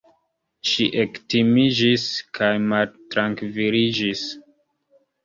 Ŝi ektimiĝis kaj maltrankviliĝis.